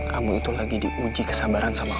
kamu itu lagi diuji kesabaran sama kamu